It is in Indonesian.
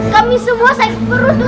kami semua sakit perut